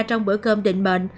trong bữa cơm định bệnh